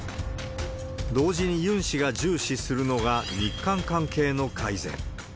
同時に、ユン氏が重視するのが日韓関係の改善。